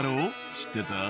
知ってた？」